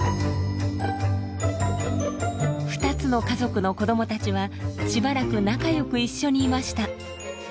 ２つの家族の子どもたちはしばらく仲よく一緒にいました。